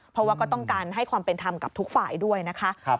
เพราะว่าก็ต้องการให้ความเป็นธรรมกับทุกฝ่ายด้วยนะคะ